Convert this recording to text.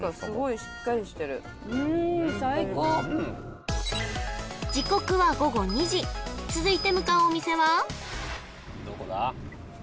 しかもうん最高時刻は午後２時続いて向かうお店はどこだ？